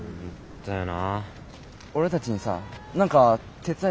だよな。